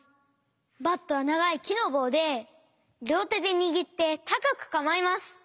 バットはながいきのぼうでりょうてでにぎってたかくかまえます。